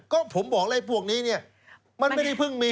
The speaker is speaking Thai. ก็ผมบอกไอ้พวกนี้เนี่ยมันไม่ได้เพิ่งมี